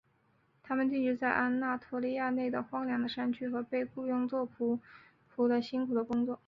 他们定居在安纳托利亚内的荒凉的山区和被雇用作奴仆和辛苦的工作。